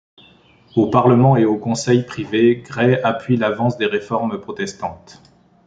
Au Parlement et au Conseil privé, Grey appuie l'avance des réformes protestantes.